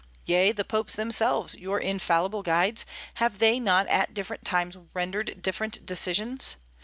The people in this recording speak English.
Yea, the popes themselves, your infallible guides, have they not at different times rendered different decisions?